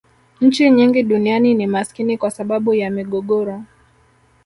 nchi nyingi duniani ni maskini kwa sababu ya migogoro